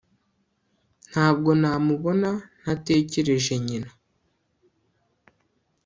ntabwo namubona ntatekereje nyina